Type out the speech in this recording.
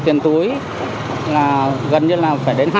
để giúp đỡ các người bị bệnh